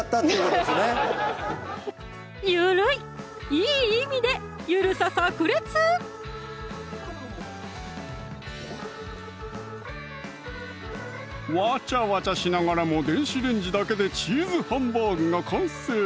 いい意味でゆるさ炸裂！わちゃわちゃしながらも電子レンジだけでチーズハンバーグが完成！